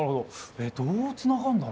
えっどうつながんだろ？